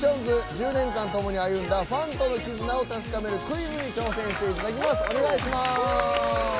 １０年間共に歩んだファンとの絆を確かめるクイズに挑戦してもらいます。